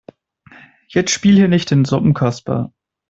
Jetzt spiel hier nicht den Suppenkasper.